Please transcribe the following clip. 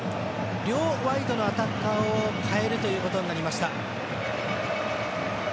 両ワイドのアタッカーを代えるということになりました。